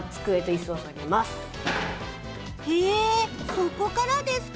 えそこからですか。